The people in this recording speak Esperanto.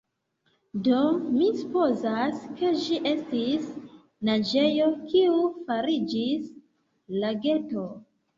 Do, mi supozas, ke ĝi estis naĝejo kiu fariĝis lageto.